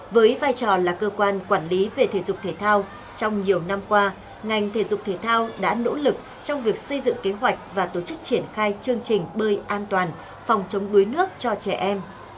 với vai trò là cơ quan quản lý về thể dục thể thao trong nhiều năm qua ngành thể dục thể thao đã nỗ lực trong việc xây dựng kế hoạch và tổ chức triển khai chương trình bơi an toàn phòng chống đuối nước cho trẻ em